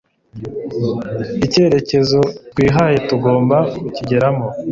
IKEREKEZO twihaye tugomba kukigeramo